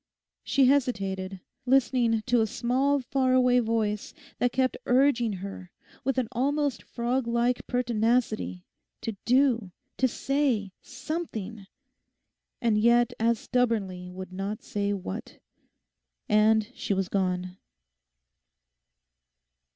She hesitated, listening to a small far away voice that kept urging her with an almost frog like pertinacity to do, to say something, and yet as stubbornly would not say what; and she was gone.